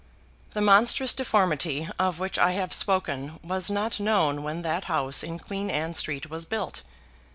The monstrous deformity of which I have spoken was not known when that house in Queen Anne Street was built.